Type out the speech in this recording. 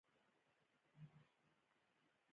آیا د پښتنو په کلتور کې د کونډې نکاح کول ثواب نه دی؟